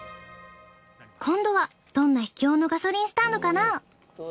今度はどんな秘境のガソリンスタンドかな？